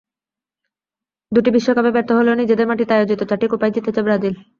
দুটি বিশ্বকাপে ব্যর্থ হলেও নিজেদের মাটিতে আয়োজিত চারটি কোপাই জিতেছে ব্রাজিল।